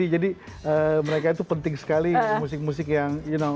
jadi mereka itu penting sekali musik musik yang you know